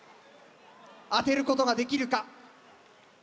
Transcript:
当てることができるか？